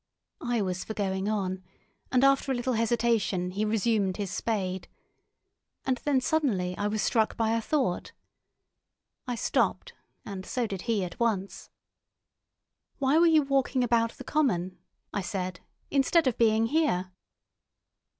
I was for going on, and after a little hesitation he resumed his spade; and then suddenly I was struck by a thought. I stopped, and so did he at once. "Why were you walking about the common," I said, "instead of being here?"